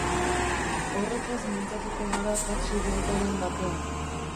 Horretaz mintzatuko gara taxi bueltaren batean.